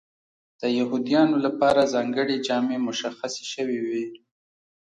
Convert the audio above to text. د یهودیانو لپاره ځانګړې جامې مشخصې شوې وې.